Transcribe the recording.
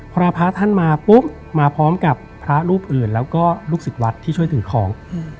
พอพระท่านมาปุ๊บมาพร้อมกับพระรูปอื่นแล้วก็ลูกศิษย์วัดที่ช่วยถือของ